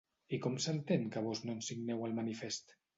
I com s’entén que vós no en signeu el manifest?